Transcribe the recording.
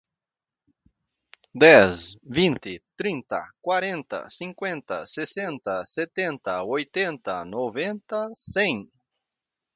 dez, vinte, trinta, quarenta, cinquenta, sessenta, setenta, oitenta, noventa, cem.